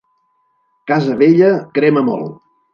Casa vella crema molt.